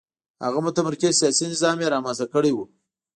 هغه متمرکز سیاسي نظام یې رامنځته کړی و.